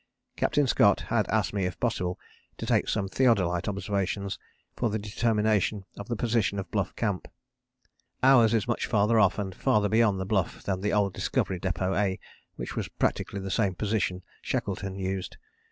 Captain Scott had asked me if possible to take some theodolite observations for the determination of the position of Bluff Camp. Ours is much farther off and farther beyond the Bluff than the old Discovery Depôt A, which was practically the same position Shackleton used.